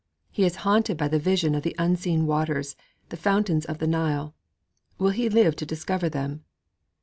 He is haunted by the vision of the unseen waters, the fountains of the Nile. Will he live to discover them?